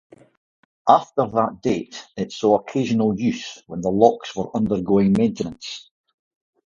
After that date it saw occasional use when the locks were undergoing maintenance.